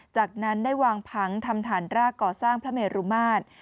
จากนั้นได้วางผังทำฐานรากก่อสร้างพระเมรุมาตร